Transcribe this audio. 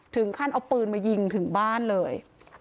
ถึงขั้นเอาปืนมายิงถึงบ้านเลย